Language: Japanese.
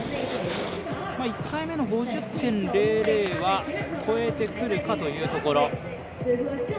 １回目の５０．００は超えてくるかというところ。